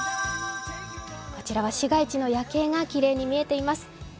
こちらは市街地の夜景がきれいに見えています。